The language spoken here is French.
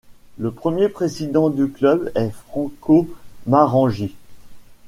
Le premier président du club est Franco Marangi.